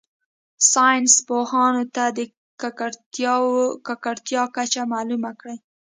ساینس پوهانو ته د ککړتیا کچه معلومه کړي.